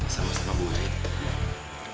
sama sama bu wiwet